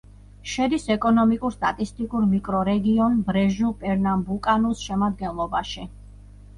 შედის ეკონომიკურ-სტატისტიკურ მიკრორეგიონ ბრეჟუ-პერნამბუკანუს შემადგენლობაში.